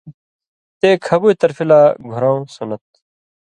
تے کھبُوئ طرفی لا گھُرؤں سُنّت تھُو۔